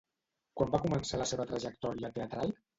Quan va començar la seva trajectòria teatral?